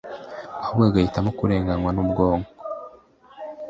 ahubwo agahitamo kurengananywa n ubwoko